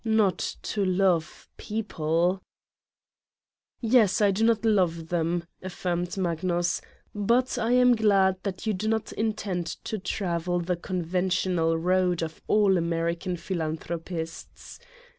Not to love people ! "Yes, I do not love them," affirmed Magnus, "but I am glad that you do not intend to travel the conventional road of all American philan thropists.